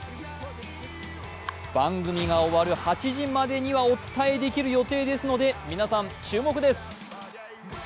番組が終わる８時までにはお伝えできる予定ですので皆さん、注目です。